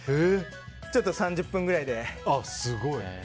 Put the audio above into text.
ちょっと３０分くらいで。